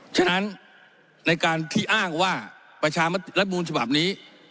ฉะนั้นในการที่อ้างว่ารำรูชัพนี้